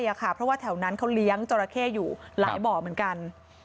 เพราะว่าแถวนั้นเขาเลี้ยงจราเข้อยู่หลายบ่อเหมือนกัน